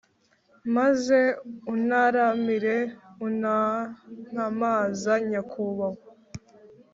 Maze untaramire utantamaza nyakubahwa?